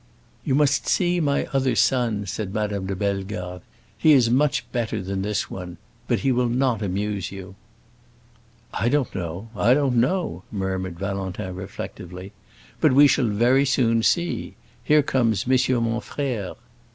"You must see my other son," said Madame de Bellegarde. "He is much better than this one. But he will not amuse you." "I don't know—I don't know!" murmured Valentin, reflectively. "But we shall very soon see. Here comes Monsieur mon frère."